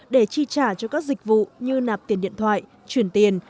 để chi trả cho các dịch vụ như nạp tiền điện thoại chuyển tiền